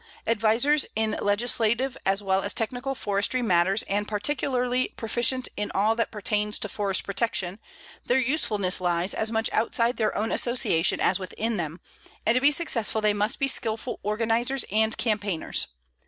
Advisers in legislative as well as technical forestry matters and particularly proficient in all that pertains to forest protection, their usefulness lies as much outside their own association as within them, and to be successful they must be skilful organizers and campaigners.